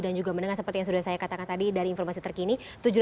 dan juga mendengar seperti yang sudah saya katakan tadi dari informasi terkini